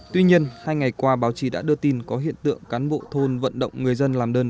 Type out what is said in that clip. tuy nhiên hai ngày qua báo chí đã đưa tin có hiện tượng cán bộ thôn vận động người dân làm đơn